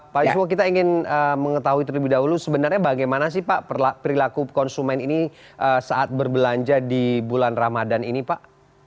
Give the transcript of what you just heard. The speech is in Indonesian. pak yuswo kita ingin mengetahui terlebih dahulu sebenarnya bagaimana sih pak perilaku konsumen ini saat berbelanja di bulan ramadan ini pak